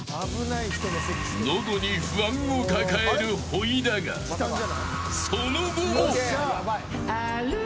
喉に不安を抱えるほいだがその後も。